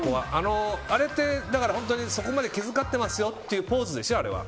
あれってそこまで気遣ってますよっていうポーズでしょ、あれは。